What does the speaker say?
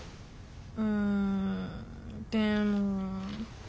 うんでも。